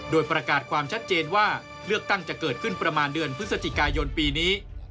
โดยประกาศความชัดเจนว่าเลือกตั้งจะเกิดขึ้นประมาณเดือนพฤศจิกายนปีนี้